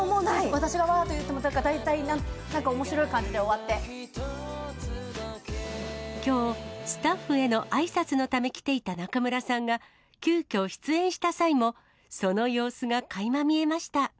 私がなんか言っても、大体なきょう、スタッフへのあいさつのため来ていた中村さんが急きょ、出演した際も、その様子がかいま見えました。